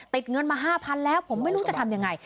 เงินมา๕๐๐๐แล้วผมไม่รู้จะทำยังไง